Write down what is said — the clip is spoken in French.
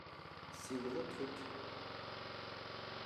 Ces gros trucs.